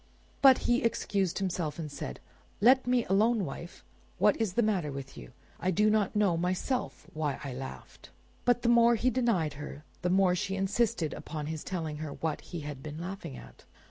But he excused himself, and said— "Let me alone, wife! What is the matter with you? I do not know myself why I laughed." But the more he denied her the more she insisted upon his telling her what he had been laughing at.